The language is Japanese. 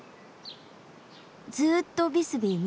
ずっとビスビーに？